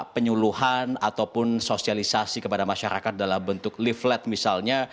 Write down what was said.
penyuluhan ataupun sosialisasi kepada masyarakat dalam bentuk leaflet misalnya